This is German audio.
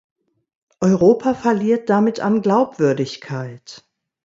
Europa verliert damit an Glaubwürdigkeit.